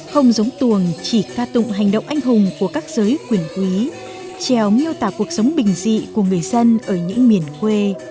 không giống tuồng chỉ ca tụng hành động anh hùng của các giới quyền quý trèo miêu tả cuộc sống bình dị của người dân ở những miền quê